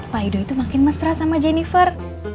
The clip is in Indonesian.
pak idoi itu makin mesra sama jeniper